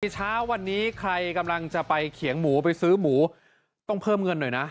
พรุ่งที่เช้าวันนี้ใครกำลังจะไปเขียงหมูต้องเพิ่มเงินหน่อยนะ